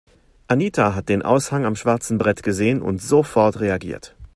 Anita hat den Aushang am schwarzen Brett gesehen und sofort reagiert.